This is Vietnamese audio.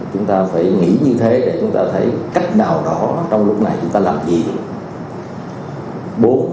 chúng ta phải nghĩ như thế để chúng ta thấy cách nào đó trong lúc này chúng ta làm gì